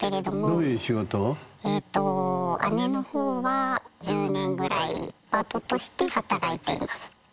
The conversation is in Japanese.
えと姉の方は１０年ぐらいパートとして働いています。